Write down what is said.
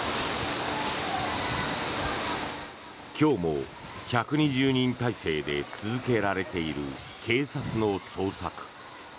今日も１２０人態勢で続けられている警察の捜索。